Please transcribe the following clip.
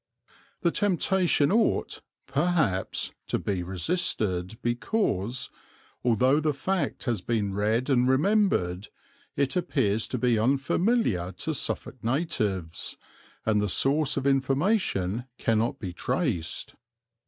The temptation ought, perhaps, to be resisted because, although the fact has been read and remembered, it appears to be unfamiliar to Suffolk natives, and the source of information cannot be traced.